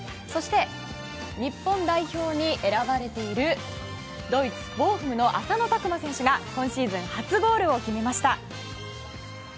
そして、日本代表に選ばれているドイツ、ボーフムの浅野拓磨選手が今シーズン初ゴールを決めました。